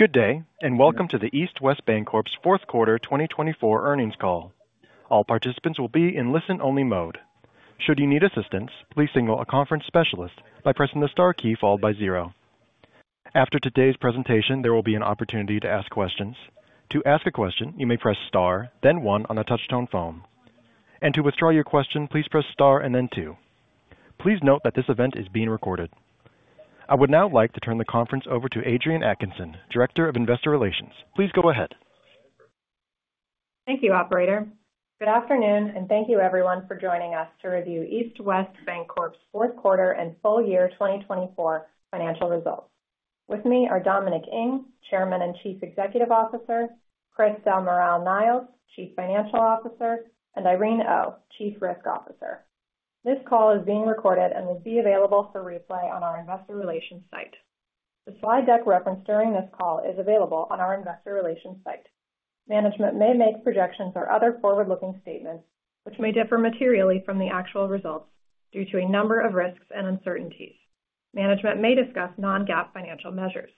Good day, and welcome to the East West Bancorp's fourth quarter 2024 earnings call. All participants will be in listen-only mode. Should you need assistance, please signal a conference specialist by pressing the star key followed by zero. After today's presentation, there will be an opportunity to ask questions. To ask a question, you may press star, then one on a touch-tone phone, and to withdraw your question, please press star and then two. Please note that this event is being recorded. I would now like to turn the conference over to Adrienne Atkinson, Director of Investor Relations. Please go ahead. Thank you, Operator. Good afternoon, and thank you everyone for joining us to review East West Bancorp's fourth quarter and full year 2024 financial results. With me are Dominic Ng, Chairman and Chief Executive Officer, Chris Del Moral-Niles, Chief Financial Officer, and Irene Oh, Chief Risk Officer. This call is being recorded and will be available for replay on our Investor Relations site. The slide deck referenced during this call is available on our Investor Relations site. Management may make projections or other forward-looking statements, which may differ materially from the actual results due to a number of risks and uncertainties. Management may discuss non-GAAP financial measures.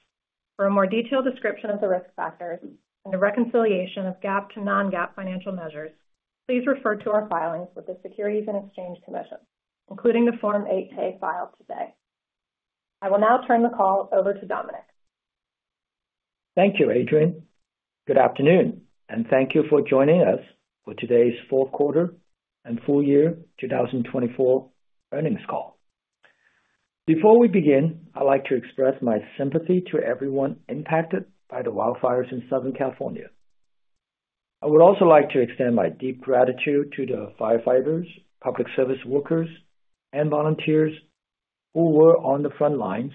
For a more detailed description of the risk factors and the reconciliation of GAAP to non-GAAP financial measures, please refer to our filings with the Securities and Exchange Commission, including the Form 8-K filed today. I will now turn the call over to Dominic. Thank you, Adrienne. Good afternoon, and thank you for joining us for today's fourth quarter and full year 2024 earnings call. Before we begin, I'd like to express my sympathy to everyone impacted by the wildfires in Southern California. I would also like to extend my deep gratitude to the firefighters, public service workers, and volunteers who were on the front lines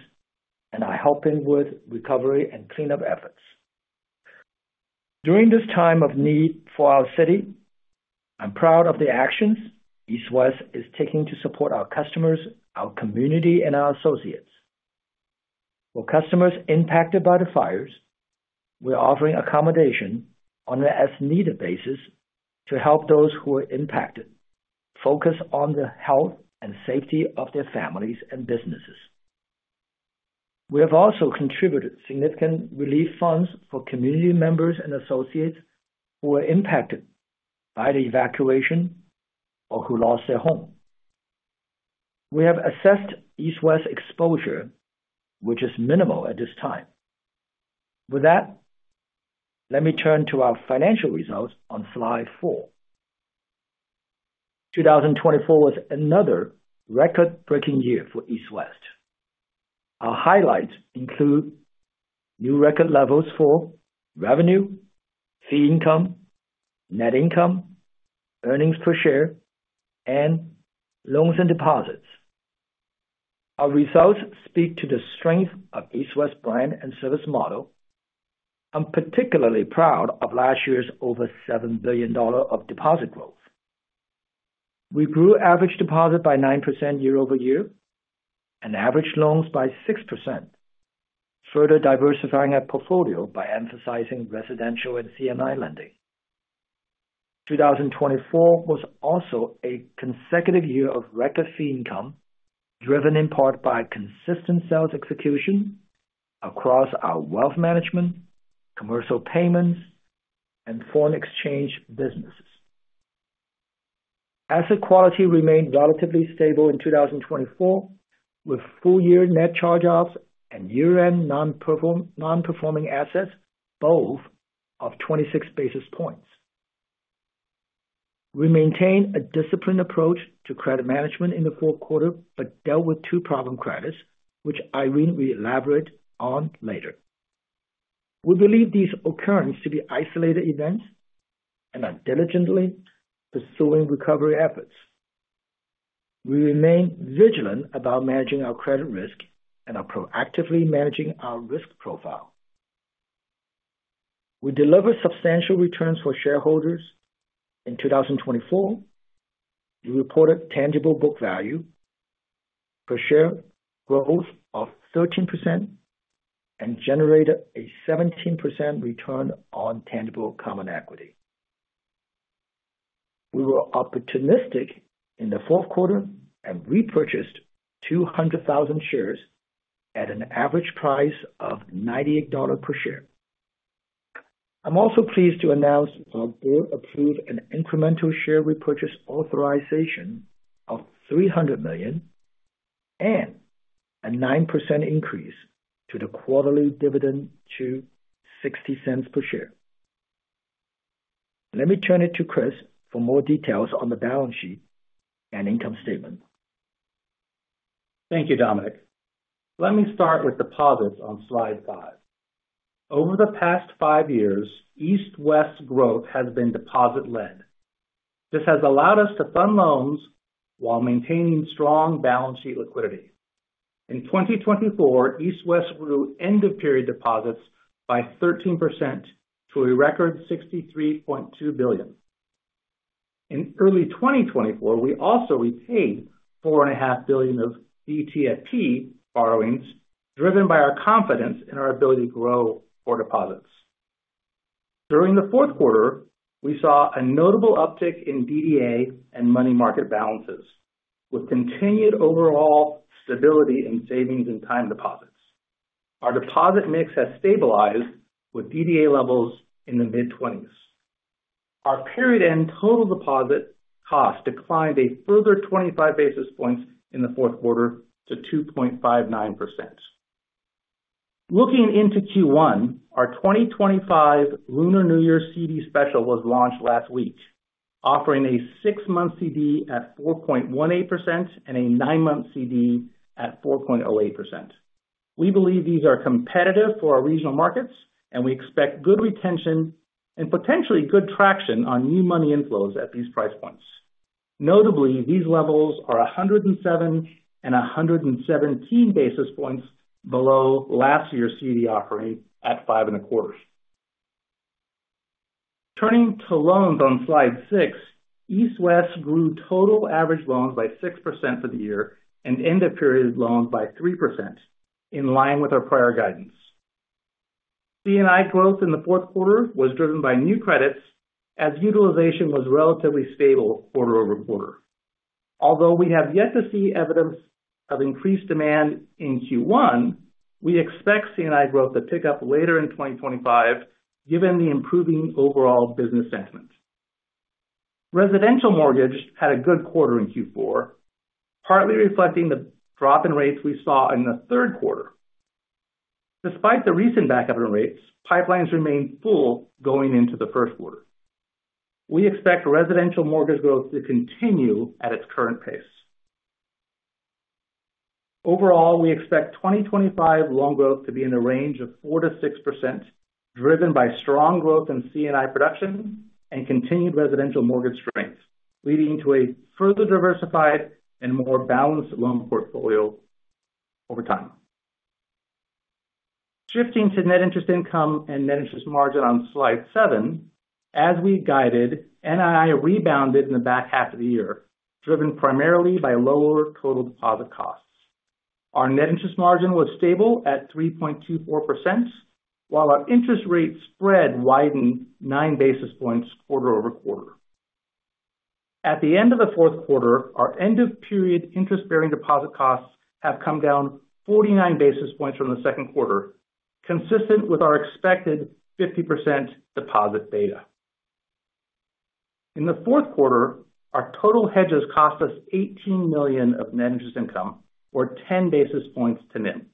and are helping with recovery and cleanup efforts. During this time of need for our city, I'm proud of the actions East West is taking to support our customers, our community, and our associates. For customers impacted by the fires, we're offering accommodation on an as-needed basis to help those who are impacted focus on the health and safety of their families and businesses. We have also contributed significant relief funds for community members and associates who were impacted by the evacuation or who lost their home. We have assessed East West's exposure, which is minimal at this time. With that, let me turn to our financial results on slide four. 2024 was another record-breaking year for East West. Our highlights include new record levels for revenue, fee income, net income, earnings per share, and loans and deposits. Our results speak to the strength of East West's brand and service model. I'm particularly proud of last year's over $7 billion of deposit growth. We grew average deposit by 9% year-over-year and average loans by 6%, further diversifying our portfolio by emphasizing residential and C&I lending. 2024 was also a consecutive year of record fee income, driven in part by consistent sales execution across our wealth management, commercial payments, and foreign exchange businesses. Asset quality remained relatively stable in 2024, with full-year net charge-offs and year-end non-performing assets both of 26 basis points. We maintained a disciplined approach to credit management in the fourth quarter but dealt with two problem credits, which Irene will elaborate on later. We believe these occurrences to be isolated events and are diligently pursuing recovery efforts. We remain vigilant about managing our credit risk and are proactively managing our risk profile. We delivered substantial returns for shareholders in 2024. We reported tangible book value per share growth of 13% and generated a 17% return on tangible common equity. We were opportunistic in the fourth quarter and repurchased 200,000 shares at an average price of $98 per share. I'm also pleased to announce our board-approved and incremental share repurchase authorization of $300 million and a 9% increase to the quarterly dividend to $0.60 per share. Let me turn it to Chris for more details on the balance sheet and income statement. Thank you, Dominic. Let me start with deposits on slide 5. Over the past five years, East West's growth has been deposit-led. This has allowed us to fund loans while maintaining strong balance sheet liquidity. In 2024, East West grew end-of-period deposits by 13% to a record $63.2 billion. In early 2024, we also repaid $4.5 billion of BTFP borrowings, driven by our confidence in our ability to grow for deposits. During the fourth quarter, we saw a notable uptick in DDA and money market balances, with continued overall stability in savings and time deposits. Our deposit mix has stabilized, with DDA levels in the mid-20s. Our period-end total deposit cost declined a further 25 basis points in the fourth quarter to 2.59%. Looking into Q1, our 2025 Lunar New Year CD special was launched last week, offering a six-month CD at 4.18% and a nine-month CD at 4.08%. We believe these are competitive for our regional markets, and we expect good retention and potentially good traction on new money inflows at these price points. Notably, these levels are 107 and 117 basis points below last year's CD offering at five and a quarter. Turning to loans on slide six, East West grew total average loans by 6% for the year and end-of-period loans by 3%, in line with our prior guidance. CNI growth in the fourth quarter was driven by new credits, as utilization was relatively stable quarter over quarter. Although we have yet to see evidence of increased demand in Q1, we expect CNI growth to pick up later in 2025, given the improving overall business sentiment. Residential mortgage had a good quarter in Q4, partly reflecting the drop in rates we saw in the third quarter. Despite the recent backup in rates, pipelines remained full going into the first quarter. We expect residential mortgage growth to continue at its current pace. Overall, we expect 2025 loan growth to be in the range of 4%-6%, driven by strong growth in CNI production and continued residential mortgage strength, leading to a further diversified and more balanced loan portfolio over time. Shifting to net interest income and net interest margin on slide seven, as we guided, NII rebounded in the back half of the year, driven primarily by lower total deposit costs. Our net interest margin was stable at 3.24%, while our interest rate spread widened nine basis points quarter-over-quarter. At the end of the fourth quarter, our end-of-period interest-bearing deposit costs have come down 49 basis points from the second quarter, consistent with our expected 50% deposit beta. In the fourth quarter, our total hedges cost us $18 million of net interest income, or 10 basis points to NIM.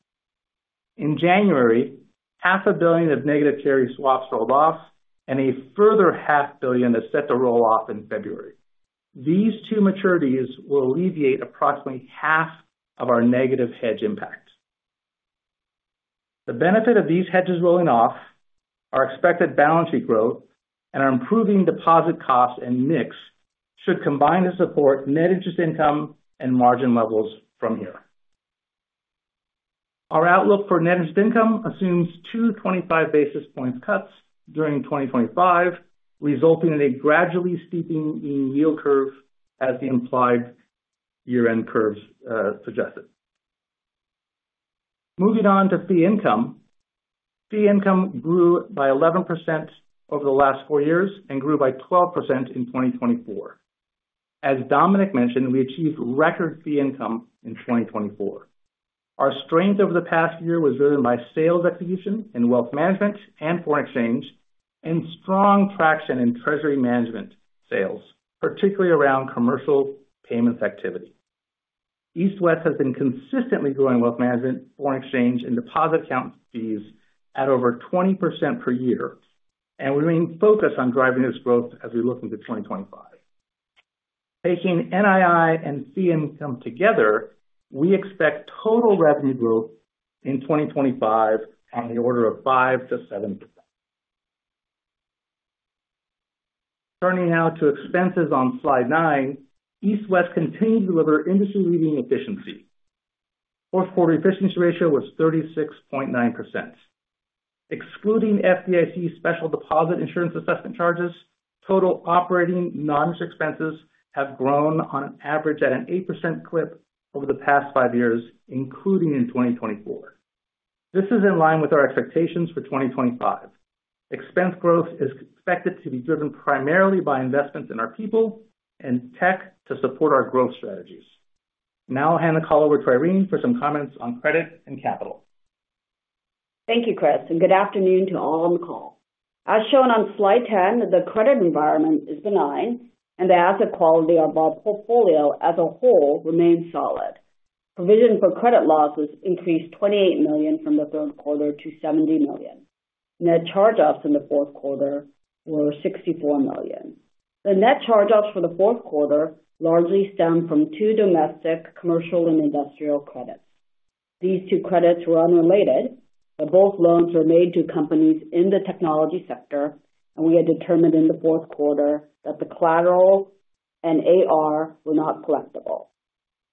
In January, $500 million of negative carry swaps rolled off, and a further $500 million is set to roll off in February. These two maturities will alleviate approximately half of our negative hedge impact. The benefit of these hedges rolling off, our expected balance sheet growth, and our improving deposit costs and mix should combine to support net interest income and margin levels from here. Our outlook for net interest income assumes two 25 basis point cuts during 2025, resulting in a gradually steepening yield curve, as the implied year-end curves suggested. Moving on to fee income, fee income grew by 11% over the last four years and grew by 12% in 2024. As Dominic mentioned, we achieved record fee income in 2024. Our strength over the past year was driven by sales execution in wealth management and foreign exchange, and strong traction in treasury management sales, particularly around commercial payments activity. East West has been consistently growing wealth management, foreign exchange, and deposit account fees at over 20% per year, and we remain focused on driving this growth as we look into 2025. Taking NII and fee income together, we expect total revenue growth in 2025 on the order of 5%-7%. Turning now to expenses on slide 9, East West continues to deliver industry-leading efficiency. Fourth quarter efficiency ratio was 36.9%. Excluding FDIC special deposit insurance assessment charges, total operating noninterest expenses have grown on average at an 8% clip over the past five years, including in 2024. This is in line with our expectations for 2025. Expense growth is expected to be driven primarily by investments in our people and tech to support our growth strategies. Now I'll hand the call over to Irene for some comments on credit and capital. Thank you, Chris, and good afternoon to all on the call. As shown on slide 10, the credit environment is benign, and the asset quality of our portfolio as a whole remains solid. Provision for credit losses increased $28 million from the third quarter to $70 million. Net charge-offs in the fourth quarter were $64 million. The net charge-offs for the fourth quarter largely stem from two domestic, commercial, and industrial credits. These two credits were unrelated, but both loans were made to companies in the technology sector, and we had determined in the fourth quarter that the collateral and AR were not collectible.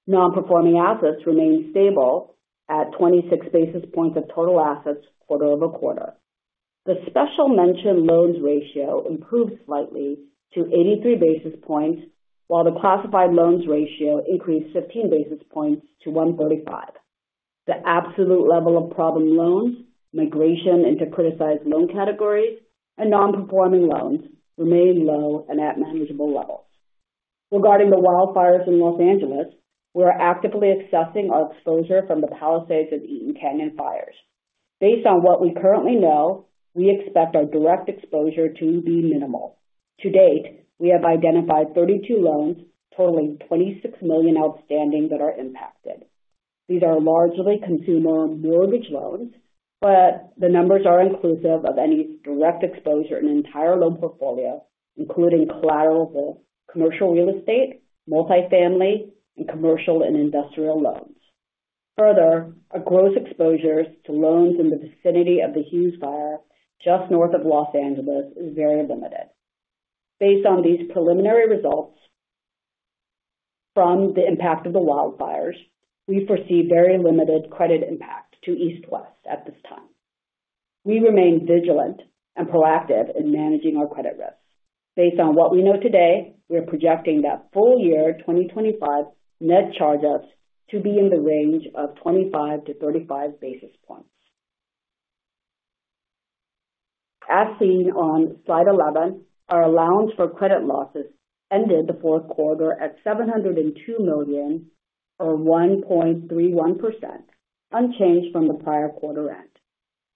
Non-performing assets remained stable at 26 basis points of total assets quarter over quarter. The special mention loans ratio improved slightly to 83 basis points, while the classified loans ratio increased 15 basis points to 135. The absolute level of problem loans, migration into criticized loan categories, and non-performing loans remained low and at manageable levels. Regarding the wildfires in Los Angeles, we are actively assessing our exposure from the Palisades and Eaton Canyon fires. Based on what we currently know, we expect our direct exposure to be minimal. To date, we have identified 32 loans totaling $26 million outstanding that are impacted. These are largely consumer mortgage loans, but the numbers are inclusive of any direct exposure in the entire loan portfolio, including collaterable, commercial real estate, multifamily, and commercial and industrial loans. Further, our gross exposures to loans in the vicinity of the Hughes Fire just north of Los Angeles are very limited. Based on these preliminary results from the impact of the wildfires, we foresee very limited credit impact to East West at this time. We remain vigilant and proactive in managing our credit risk. Based on what we know today, we are projecting that full year 2025 net charge-offs to be in the range of 25 basis points-35 basis points. As seen on slide 11, our allowance for credit losses ended the fourth quarter at $702 million, or 1.31%, unchanged from the prior quarter end.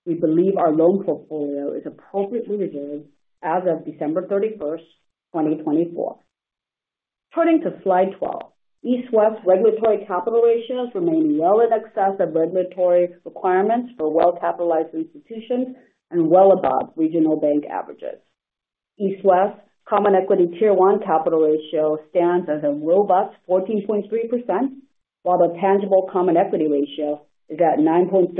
We believe our loan portfolio is appropriately reserved as of December 31, 2024. Turning to slide 12, East West regulatory capital ratios remain well in excess of regulatory requirements for well-capitalized institutions and well above regional bank averages. East West Common Equity Tier 1 capital ratio stands as a robust 14.3%, while the Tangible Common Equity ratio is at 9.6%.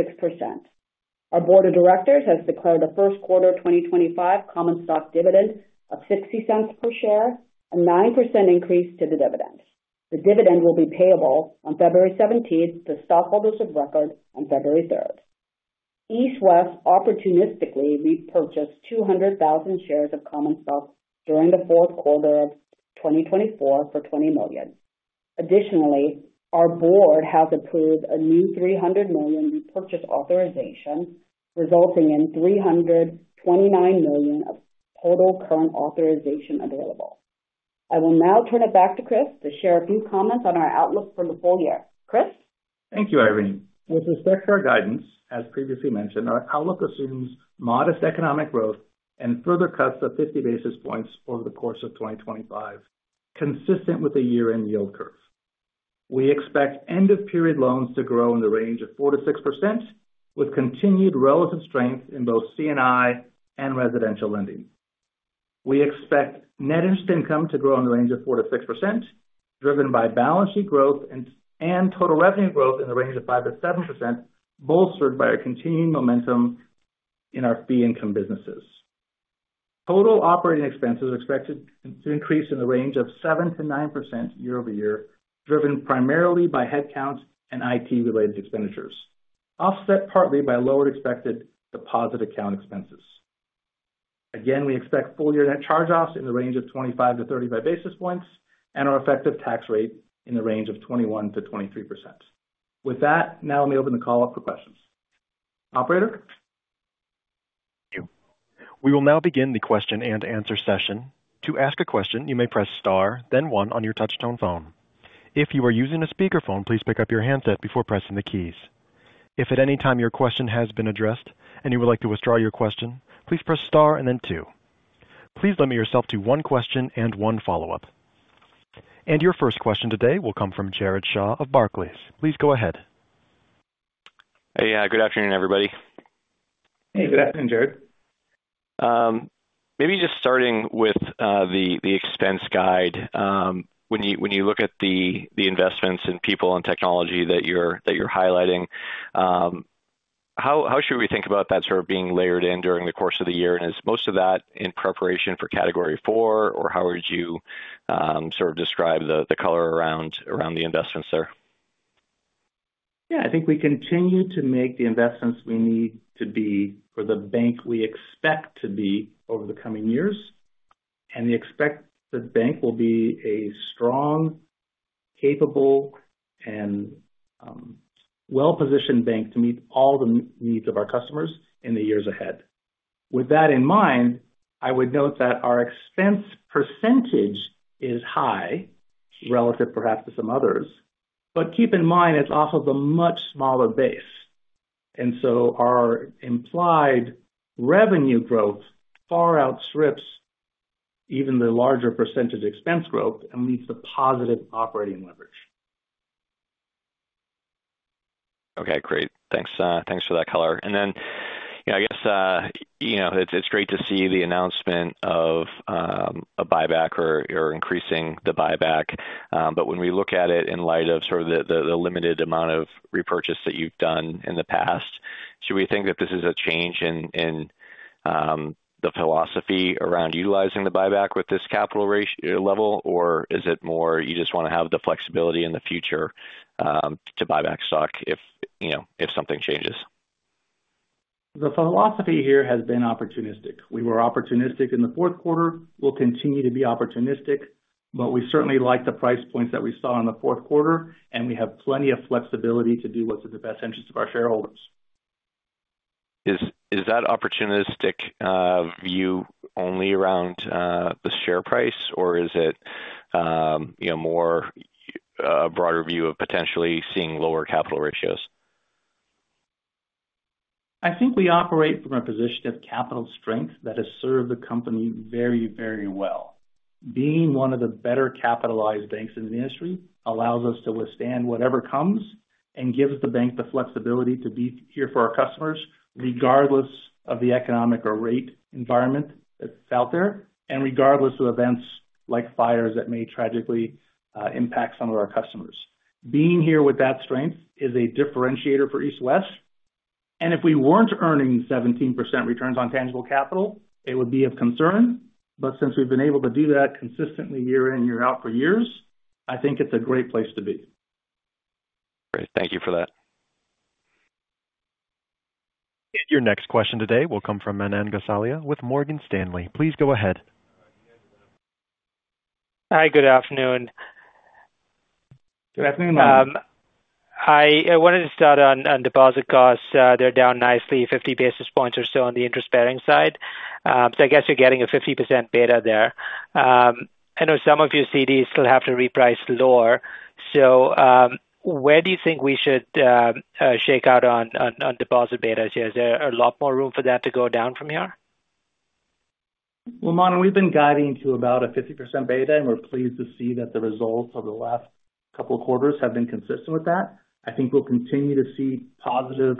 Our board of directors has declared a first quarter 2025 common stock dividend of $0.60 per share, a 9% increase to the dividend. The dividend will be payable on February 17 to stockholders of record on February 3. East West opportunistically repurchased 200,000 shares of common stock during the fourth quarter of 2024 for $20 million. Additionally, our board has approved a new $300 million repurchase authorization, resulting in $329 million of total current authorization available. I will now turn it back to Chris to share a few comments on our outlook for the full year. Chris? Thank you, Irene. With respect to our guidance, as previously mentioned, our outlook assumes modest economic growth and further cuts of 50 basis points over the course of 2025, consistent with the year-end yield curve. We expect end-of-period loans to grow in the range of 4%-6%, with continued relative strength in both CNI and residential lending. We expect net interest income to grow in the range of 4%-6%, driven by balance sheet growth and total revenue growth in the range of 5%-7%, bolstered by our continuing momentum in our fee income businesses. Total operating expenses are expected to increase in the range of 7%-9% year-over-year, driven primarily by headcount and IT-related expenditures, offset partly by lowered expected deposit account expenses. Again, we expect full year net charge-offs in the range of 25 basis points-35 basis points and our effective tax rate in the range of 21%-23%. With that, now let me open the call up for questions. Operator? Thank you. We will now begin the question and answer session. To ask a question, you may press star, then one on your touch-tone phone. If you are using a speakerphone, please pick up your handset before pressing the keys. If at any time your question has been addressed and you would like to withdraw your question, please press star and then two. Please limit yourself to one question and one follow-up. And your first question today will come from Jared Shaw of Barclays. Please go ahead. Hey, good afternoon, everybody. Hey, good afternoon, Jared. Maybe just starting with the expense guide. When you look at the investments in people and technology that you're highlighting, how should we think about that sort of being layered in during the course of the year? And is most of that in preparation for category four, or how would you sort of describe the color around the investments there? Yeah, I think we continue to make the investments we need to be for the bank we expect to be over the coming years. And we expect the bank will be a strong, capable, and well-positioned bank to meet all the needs of our customers in the years ahead. With that in mind, I would note that our expense percentage is high relative perhaps to some others, but keep in mind it's off of a much smaller base. And so our implied revenue growth far outstrips even the larger percentage expense growth and leads to positive operating leverage. Okay, great. Thanks for that, color. And then I guess it's great to see the announcement of a buyback or increasing the buyback. But when we look at it in light of sort of the limited amount of repurchase that you've done in the past, should we think that this is a change in the philosophy around utilizing the buyback with this capital level, or is it more you just want to have the flexibility in the future to buy back stock if something changes? The philosophy here has been opportunistic. We were opportunistic in the fourth quarter. We'll continue to be opportunistic, but we certainly like the price points that we saw in the fourth quarter, and we have plenty of flexibility to do what's in the best interest of our shareholders. Is that opportunistic view only around the share price, or is it more a broader view of potentially seeing lower capital ratios? I think we operate from a position of capital strength that has served the company very, very well. Being one of the better capitalized banks in the industry allows us to withstand whatever comes and gives the bank the flexibility to be here for our customers regardless of the economic or rate environment that's out there and regardless of events like fires that may tragically impact some of our customers. Being here with that strength is a differentiator for East West. And if we weren't earning 17% returns on tangible capital, it would be of concern. But since we've been able to do that consistently year in, year out for years, I think it's a great place to be. Great. Thank you for that. Your next question today will come from Manan Gosalia with Morgan Stanley. Please go ahead. Hi, good afternoon. Good afternoon, Manan. I wanted to start on deposit costs. They're down nicely, 50 basis points or so on the interest-bearing side. So I guess you're getting a 50% beta there. I know some of your CDs still have to reprice lower. So where do you think we should shake out on deposit betas here? Is there a lot more room for that to go down from here? Well, Manan, we've been guiding to about a 50% beta, and we're pleased to see that the results over the last couple of quarters have been consistent with that. I think we'll continue to see positive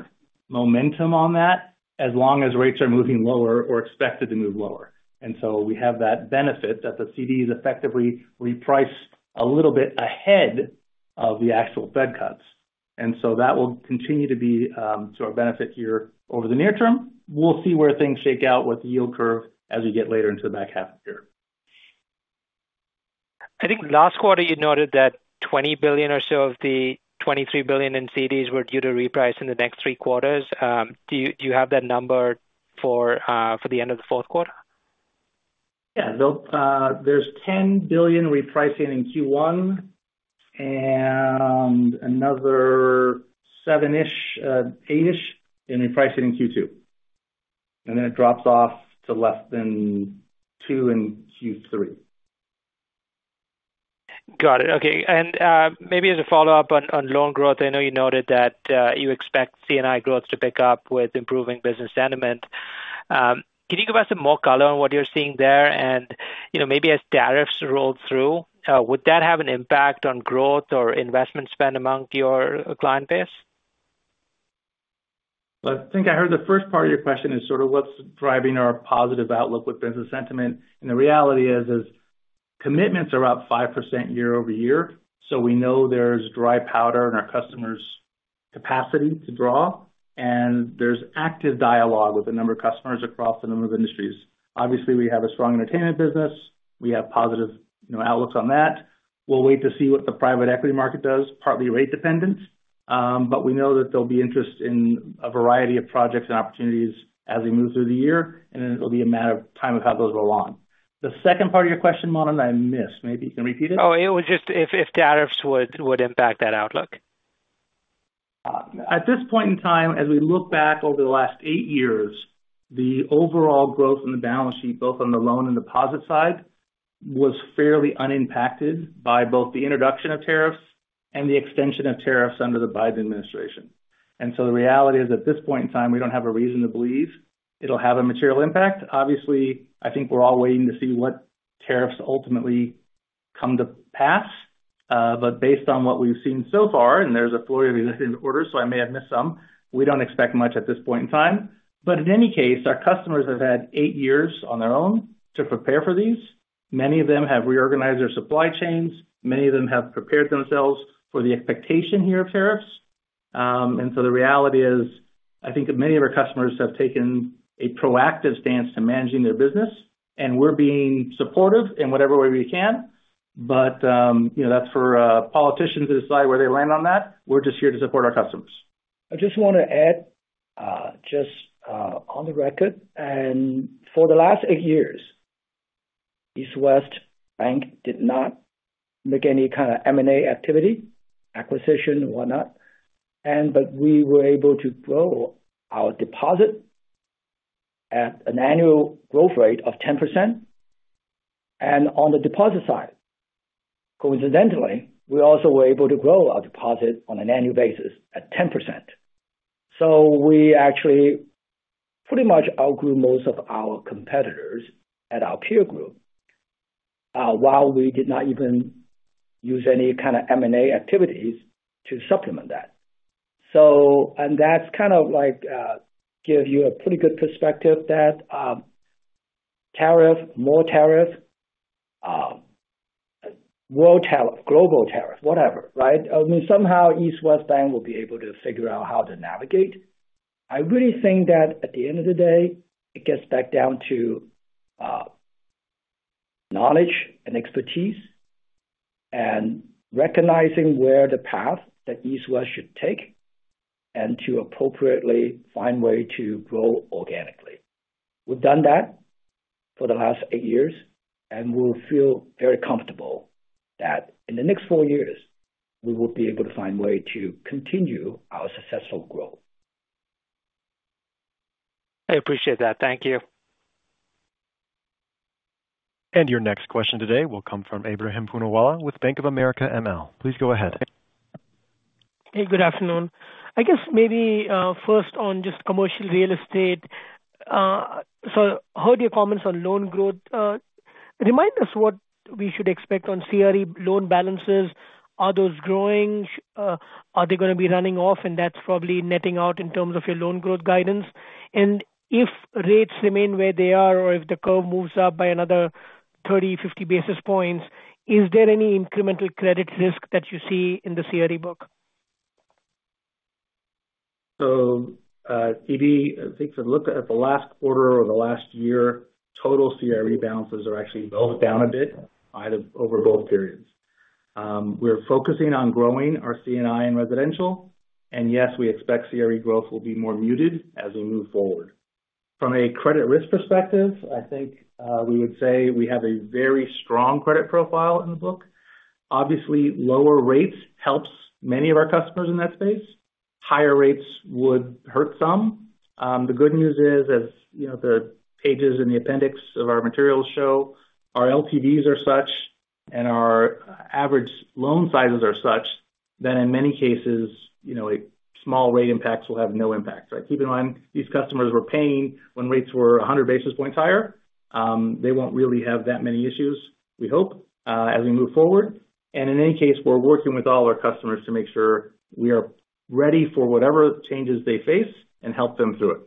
momentum on that as long as rates are moving lower or expected to move lower. And so we have that benefit that the CDs effectively reprice a little bit ahead of the actual Fed cuts. And so that will continue to be to our benefit here over the near term. We'll see where things shake out with the yield curve as we get later into the back half of the year. I think last quarter you noted that $20 billion or so of the $23 billion in CDs were due to reprice in the next three quarters. Do you have that number for the end of the fourth quarter? Yeah, there's $10 billion repricing in Q1 and another seven-ish, eight-ish in repricing in Q2, and then it drops off to less than two in Q3. Got it. Okay. And maybe as a follow-up on loan growth, I know you noted that you expect CNI growth to pick up with improving business sentiment. Can you give us some more color on what you're seeing there? And maybe as tariffs roll through, would that have an impact on growth or investment spend among your client base? I think I heard the first part of your question is sort of what's driving our positive outlook with business sentiment. And the reality is commitments are up 5% year-over-year. So we know there's dry powder in our customers' capacity to draw. And there's active dialogue with a number of customers across a number of industries. Obviously, we have a strong entertainment business. We have positive outlooks on that. We'll wait to see what the private equity market does, partly rate-dependent. But we know that there'll be interest in a variety of projects and opportunities as we move through the year, and it'll be a matter of time of how those roll on. The second part of your question, Manan, I missed. Maybe you can repeat it? Oh, it was just if tariffs would impact that outlook. At this point in time, as we look back over the last eight years, the overall growth in the balance sheet, both on the loan and deposit side, was fairly unimpacted by both the introduction of tariffs and the extension of tariffs under the Biden administration, and so the reality is at this point in time, we don't have a reason to believe it'll have a material impact. Obviously, I think we're all waiting to see what tariffs ultimately come to pass, but based on what we've seen so far, and there's a flurry of existing orders, so I may have missed some, we don't expect much at this point in time, but in any case, our customers have had eight years on their own to prepare for these. Many of them have reorganized their supply chains. Many of them have prepared themselves for the expectation here of tariffs. And so the reality is I think many of our customers have taken a proactive stance to managing their business, and we're being supportive in whatever way we can. But that's for politicians to decide where they land on that. We're just here to support our customers. I just want to add just on the record, and for the last eight years, East West Bank did not make any kind of M&A activity, acquisition, whatnot. But we were able to grow our deposit at an annual growth rate of 10%. And on the deposit side, coincidentally, we also were able to grow our deposit on an annual basis at 10%. So we actually pretty much outgrew most of our competitors at our peer group while we did not even use any kind of M&A activities to supplement that. And that's kind of like gives you a pretty good perspective that tariff, more tariff, world tariff, global tariff, whatever, right? I mean, somehow East West Bank will be able to figure out how to navigate. I really think that at the end of the day, it gets back down to knowledge and expertise and recognizing where the path that East West should take and to appropriately find a way to grow organically. We've done that for the last eight years, and we'll feel very comfortable that in the next four years, we will be able to find a way to continue our successful growth. I appreciate that. Thank you. And your next question today will come from Ebrahim Poonawala with Bank of America, ML. Please go ahead. Hey, good afternoon. I guess maybe first on just commercial real estate. So I heard your comments on loan growth. Remind us what we should expect on CRE loan balances. Are those growing? Are they going to be running off? And that's probably netting out in terms of your loan growth guidance. And if rates remain where they are or if the curve moves up by another 30basis points-50 basis points, is there any incremental credit risk that you see in the CRE book? So if you take a look at the last quarter or the last year, total CRE balances are actually both down a bit over both periods. We're focusing on growing our CNI and residential. And yes, we expect CRE growth will be more muted as we move forward. From a credit risk perspective, I think we would say we have a very strong credit profile in the book. Obviously, lower rates helps many of our customers in that space. Higher rates would hurt some. The good news is, as the pages in the appendix of our materials show, our LTVs are such and our average loan sizes are such that in many cases, small rate impacts will have no impact. So keep in mind, these customers were paying when rates were 100 basis points higher. They won't really have that many issues, we hope, as we move forward. In any case, we're working with all our customers to make sure we are ready for whatever changes they face and help them through it.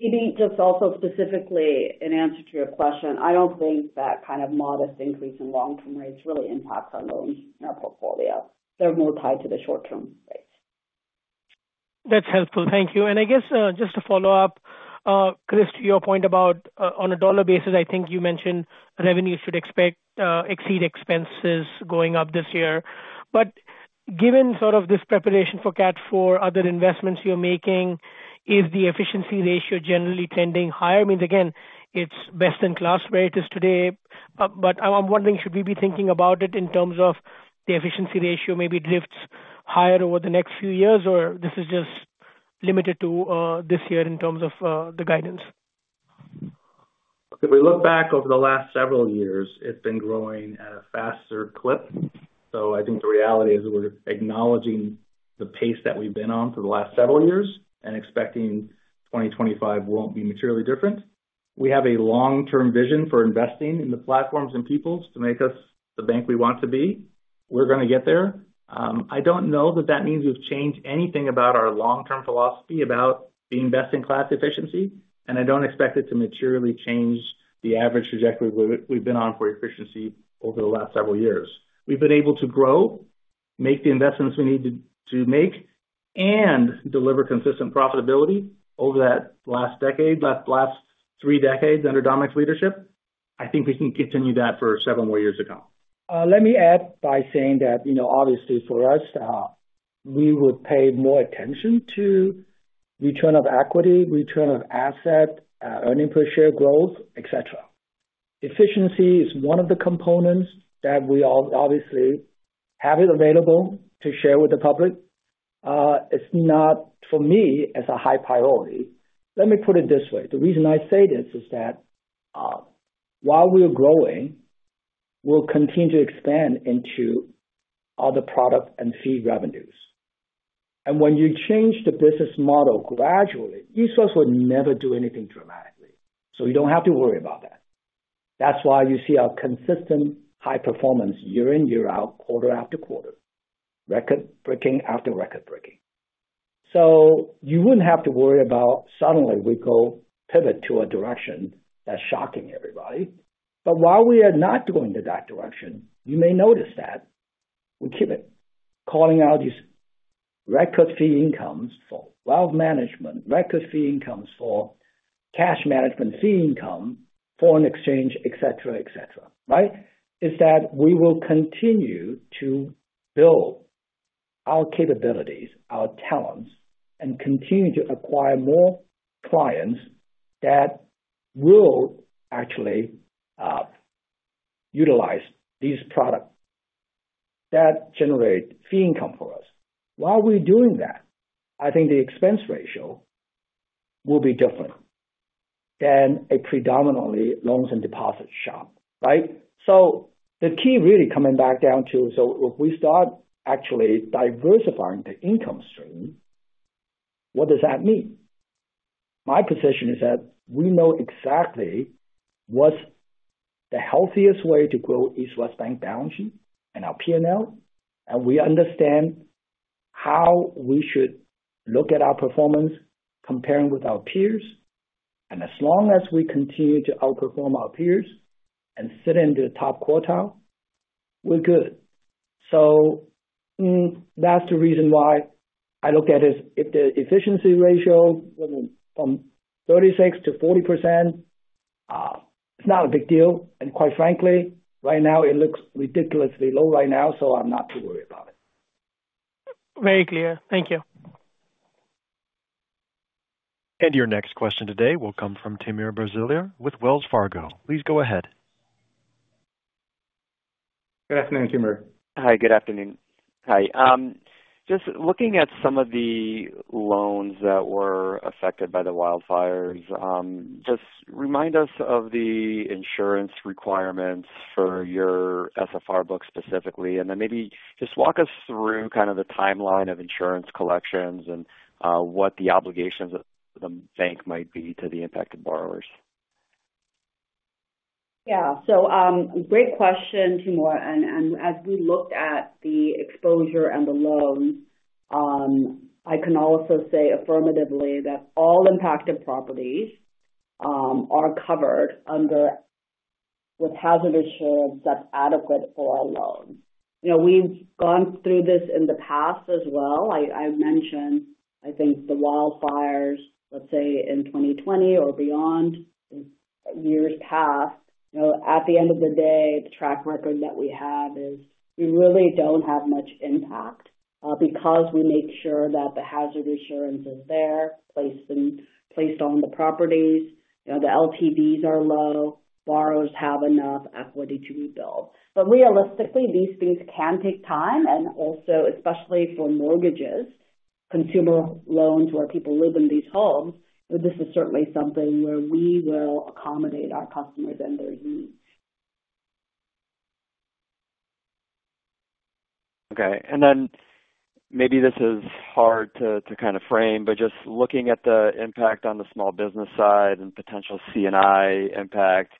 Even just also specifically in answer to your question, I don't think that kind of modest increase in long-term rates really impacts our loans in our portfolio. They're more tied to the short-term rates. That's helpful. Thank you. And I guess just to follow up, Chris, to your point about on a dollar basis, I think you mentioned revenues should exceed expenses going up this year. But given sort of this preparation for CAT4, other investments you're making, is the efficiency ratio generally trending higher? I mean, again, it's best in class where it is today. But I'm wondering, should we be thinking about it in terms of the efficiency ratio maybe drifts higher over the next few years, or this is just limited to this year in terms of the guidance? If we look back over the last several years, it's been growing at a faster clip. So I think the reality is we're acknowledging the pace that we've been on for the last several years and expecting 2025 won't be materially different. We have a long-term vision for investing in the platforms and people to make us the bank we want to be. We're going to get there. I don't know that that means we've changed anything about our long-term philosophy about being best in class efficiency. And I don't expect it to materially change the average trajectory we've been on for efficiency over the last several years. We've been able to grow, make the investments we need to make, and deliver consistent profitability over that last decade, last three decades under Dominic's leadership. I think we can continue that for several more years to come. Let me add by saying that obviously for us, we would pay more attention to return on equity, return on assets, earnings per share growth, etc. Efficiency is one of the components that we obviously have available to share with the public. It's not, for me, as high a priority. Let me put it this way. The reason I say this is that while we're growing, we'll continue to expand into other product and fee revenues. And when you change the business model gradually, East West would never do anything dramatically. So you don't have to worry about that. That's why you see our consistent high performance year in, year out, quarter after quarter, record-breaking after record-breaking. So you wouldn't have to worry about suddenly we go pivot to a direction that's shocking everybody. But while we are not going to that direction, you may notice that we keep calling out these record fee incomes for wealth management, record fee incomes for cash management fee income, foreign exchange, etc., etc., right? That is we will continue to build our capabilities, our talents, and continue to acquire more clients that will actually utilize these products that generate fee income for us. While we're doing that, I think the expense ratio will be different than a predominantly loans and deposit shop, right? So the key really coming back down to, so if we start actually diversifying the income stream, what does that mean? My position is that we know exactly what's the healthiest way to grow East West Bank balance sheet and our P&L, and we understand how we should look at our performance comparing with our peers. And as long as we continue to outperform our peers and sit into the top quartile, we're good. So that's the reason why I look at it. If the efficiency ratio from 36%-40%, it's not a big deal. And quite frankly, right now it looks ridiculously low, so I'm not too worried about it. Very clear. Thank you. Your next question today will come from Timur Braziler with Wells Fargo. Please go ahead. Good afternoon, Timur. Hi, good afternoon. Hi. Just looking at some of the loans that were affected by the wildfires, just remind us of the insurance requirements for your SFR book specifically? And then maybe just walk us through kind of the timeline of insurance collections and what the obligations of the bank might be to the impacted borrowers? Yeah. So great question, Timur. And as we looked at the exposure and the loans, I can also say affirmatively that all impacted properties are covered under hazard insurance that's adequate for our loans. We've gone through this in the past as well. I mentioned, I think, the wildfires, let's say, in 2020 or beyond, years past. At the end of the day, the track record that we have is we really don't have much impact because we make sure that the hazard insurance is there, placed on the properties. The LTVs are low. Borrowers have enough equity to rebuild. But realistically, these things can take time. And also, especially for mortgages, consumer loans where people live in these homes, this is certainly something where we will accommodate our customers and their needs. Okay. And then maybe this is hard to kind of frame, but just looking at the impact on the small business side and potential C&I impact,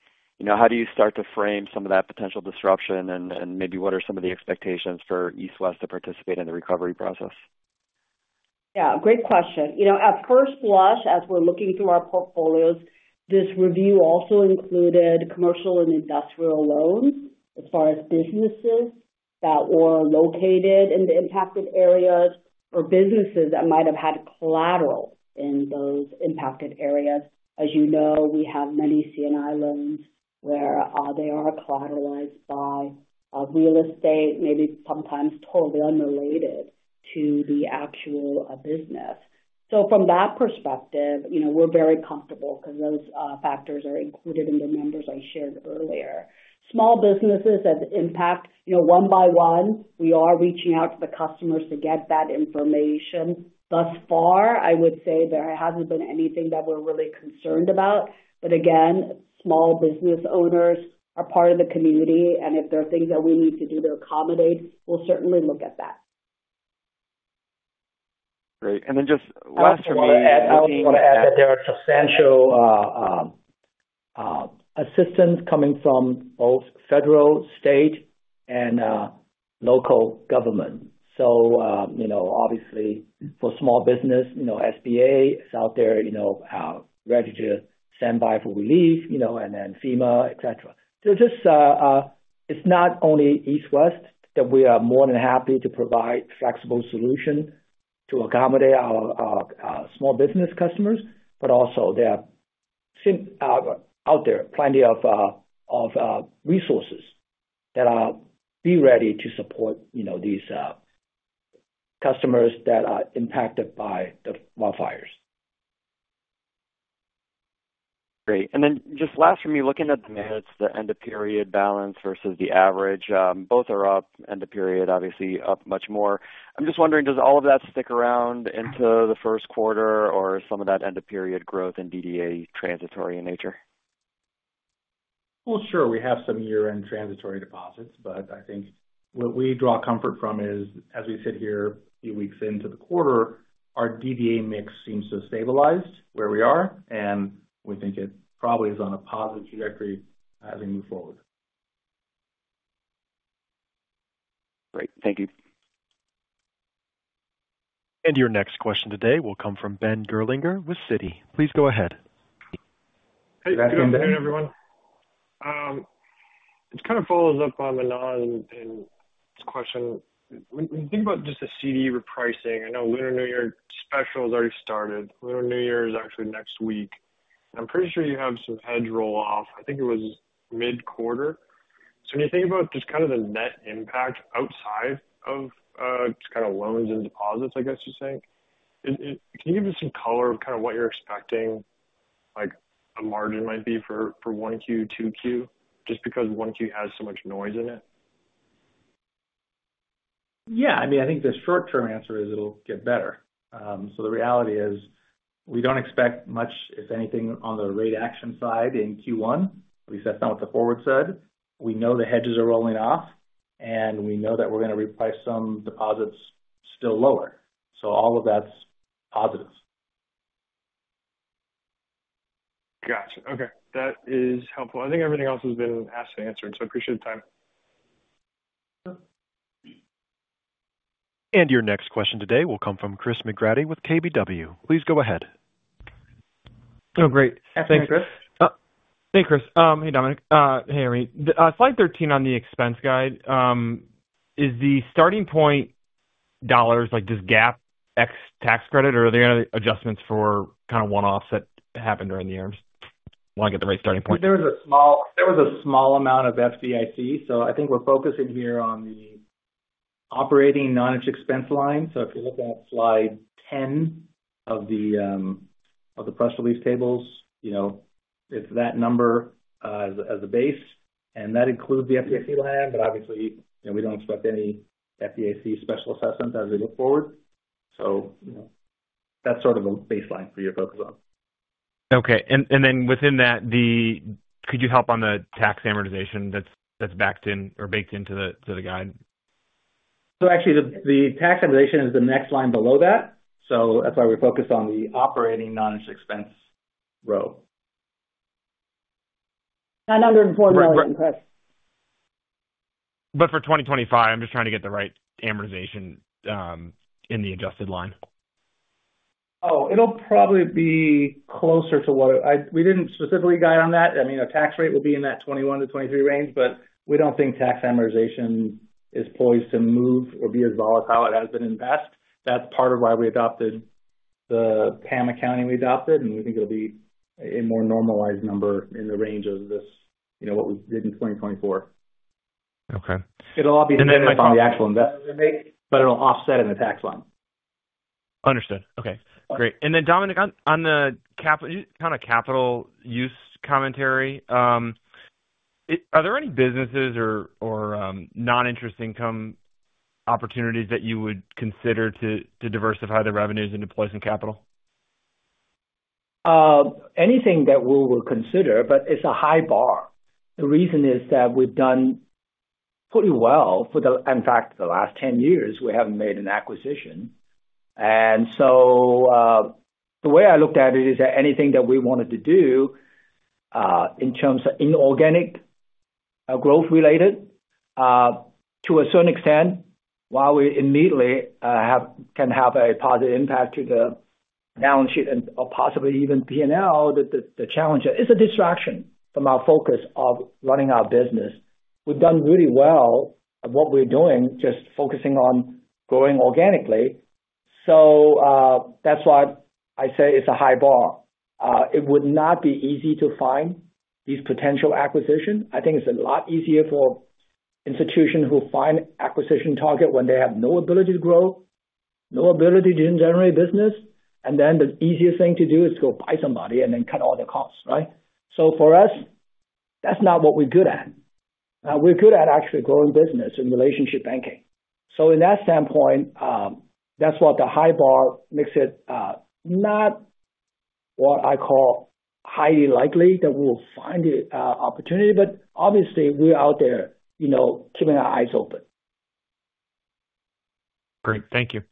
how do you start to frame some of that potential disruption? And maybe what are some of the expectations for East West to participate in the recovery process? Yeah. Great question. At first blush, as we're looking through our portfolios, this review also included commercial and industrial loans as far as businesses that were located in the impacted areas or businesses that might have had collateral in those impacted areas. As you know, we have many C&I loans where they are collateralized by real estate, maybe sometimes totally unrelated to the actual business. So from that perspective, we're very comfortable because those factors are included in the numbers I shared earlier. Small businesses that impact one by one, we are reaching out to the customers to get that information. Thus far, I would say there hasn't been anything that we're really concerned about. But again, small business owners are part of the community. And if there are things that we need to do to accommodate, we'll certainly look at that. Great. And then just last for me. I want to add that there are substantial assistance coming from both federal, state, and local government. So obviously, for small business, SBA is out there ready to stand by for relief, and then FEMA, etc. So just, it's not only East West that we are more than happy to provide flexible solutions to accommodate our small business customers, but also there are out there plenty of resources that are ready to support these customers that are impacted by the wildfires. Great. And then just last for me, looking at the end-of-period balance versus the average, both are up. End-of-period, obviously, up much more. I'm just wondering, does all of that stick around into the first quarter or some of that end-of-period growth and DDA transitory in nature? Sure. We have some year-end transitory deposits, but I think what we draw comfort from is, as we sit here a few weeks into the quarter, our DDA mix seems to have stabilized where we are. We think it probably is on a positive trajectory as we move forward. Great. Thank you. And your next question today will come from Ben Gerlinger with Citi. Please go ahead. Hey. Good afternoon, everyone. It kind of follows up on Manan's question. When you think about just the CD repricing, I know Lunar New Year special has already started. Lunar New Year is actually next week. I'm pretty sure you have some hedge roll-off. I think it was mid-quarter. So when you think about just kind of the net impact outside of just kind of loans and deposits, I guess you're saying, can you give us some color of kind of what you're expecting a margin might be for 1Q, 2Q, just because 1Q has so much noise in it? Yeah. I mean, I think the short-term answer is it'll get better. So the reality is we don't expect much, if anything, on the rate action side in Q1. At least that's not what the forward said. We know the hedges are rolling off, and we know that we're going to reprice some deposits still lower. So all of that's positive. Gotcha. Okay. That is helpful. I think everything else has been asked and answered, so I appreciate the time. Your next question today will come from Chris McGratty with KBW. Please go ahead. Oh, great. Thanks, Chris. Hey, Chris. Hey, Dominic. Hey, Irene. Slide 13 on the expense guidance, is the starting point dollars like this GAAP ex tax credit, or are there any adjustments for kind of one-offs that happened during the years? Want to get the right starting point. There was a small amount of FDIC, so I think we're focusing here on the operating noninterest expense line, so if you look at slide 10 of the press release tables, it's that number as a base, and that includes the FDIC line, but obviously, we don't expect any FDIC special assessment as we look forward, so that's sort of a baseline for you to focus on. Okay. And then within that, could you help on the tax amortization that's backed in or baked into the guide? So actually, the tax amortization is the next line below that. So that's why we focused on the operating non-interest expense row. $904 million credit. But for 2025, I'm just trying to get the right amortization in the adjusted line. Oh, it'll probably be closer to what we didn't specifically guide on that. I mean, a tax rate will be in that 21%-23% range, but we don't think tax amortization is poised to move or be as volatile as it has been in past. That's part of why we adopted the PAM accounting we adopted. And we think it'll be a more normalized number in the range of what we did in 2024. Okay. It'll all be dependent upon the actual investment, but it'll offset in the tax line. Understood. Okay. Great. And then, Dominic, on the kind of capital use commentary, are there any businesses or non-interest income opportunities that you would consider to diversify the revenues and deploy some capital? Anything that we will consider, but it's a high bar. The reason is that we've done pretty well for the, in fact, the last 10 years, we haven't made an acquisition. And so the way I looked at it is that anything that we wanted to do in terms of inorganic growth related, to a certain extent, while we immediately can have a positive impact to the balance sheet and possibly even P&L, the challenge is a distraction from our focus of running our business. We've done really well at what we're doing, just focusing on growing organically. So that's why I say it's a high bar. It would not be easy to find these potential acquisitions. I think it's a lot easier for institutions who find acquisition targets when they have no ability to grow, no ability to generate business. And then the easiest thing to do is go buy somebody and then cut all the costs, right? So for us, that's not what we're good at. We're good at actually growing business in relationship banking. So in that standpoint, that's what the high bar makes it not what I call highly likely that we will find an opportunity, but obviously, we're out there keeping our eyes open. Great. Thank you.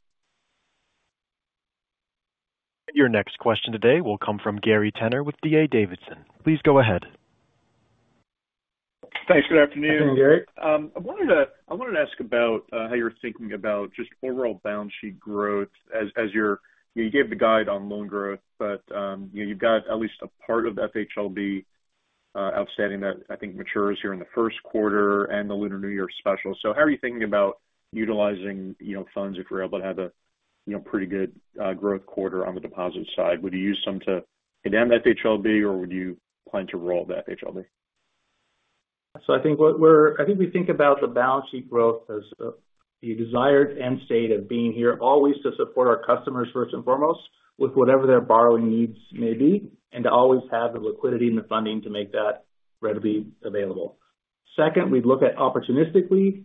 Your next question today will come from Gary Tenner with D.A. Davidson. Please go ahead. Thanks. Good afternoon. Good afternoon, Gary. I wanted to ask about how you're thinking about just overall balance sheet growth as you gave the guide on loan growth, but you've got at least a part of FHLB outstanding that I think matures here in the first quarter and the Lunar New Year special. So how are you thinking about utilizing funds if you're able to have a pretty good growth quarter on the deposit side? Would you use some to pay down FHLB, or would you plan to roll the FHLB? So I think we think about the balance sheet growth as the desired end state of being here always to support our customers first and foremost with whatever their borrowing needs may be and to always have the liquidity and the funding to make that readily available. Second, we'd look at opportunistically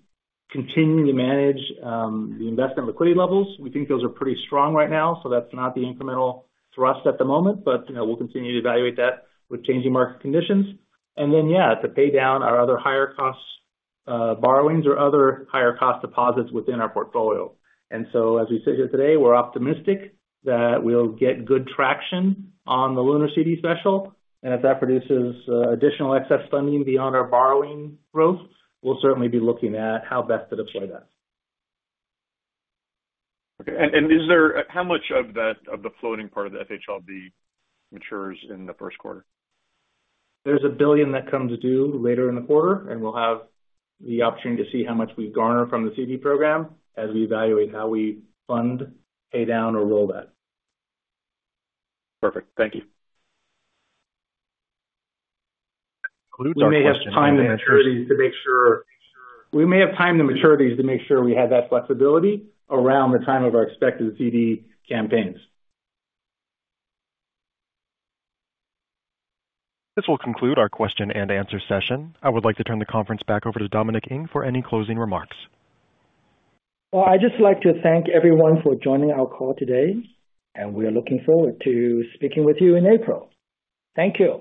continuing to manage the investment liquidity levels. We think those are pretty strong right now, so that's not the incremental thrust at the moment, but we'll continue to evaluate that with changing market conditions. And then, yeah, to pay down our other higher-cost borrowings or other higher-cost deposits within our portfolio. And so as we sit here today, we're optimistic that we'll get good traction on the Lunar CD special. And if that produces additional excess funding beyond our borrowing growth, we'll certainly be looking at how best to deploy that. Okay, and how much of the floating part of the FHLB matures in the first quarter? There's $1 billion that comes due later in the quarter, and we'll have the opportunity to see how much we've garnered from the CD program as we evaluate how we fund, pay down, or roll that. Perfect. Thank you. We may have time to maturities to make sure we have that flexibility around the time of our expected CD campaigns. This will conclude our question and answer session. I would like to turn the conference back over to Dominic Ng for any closing remarks. I'd just like to thank everyone for joining our call today, and we are looking forward to speaking with you in April. Thank you.